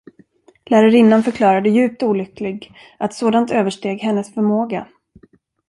Lärarinnan förklarade djupt olycklig, att sådant översteg hennes förmåga.